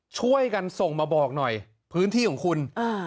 ช่วยกันส่งมาบอกหน่อยพื้นที่ของคุณอ่า